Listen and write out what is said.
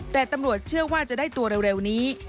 แต่ตำรวจเชื่อว่าจะได้ตัวเร็วนี้